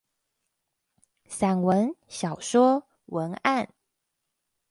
散文、小說、文案